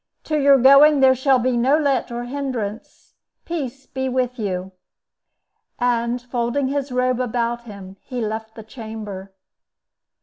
To your going there shall be no let or hindrance. Peace be with you!" And, folding his robe about him, he left the chamber.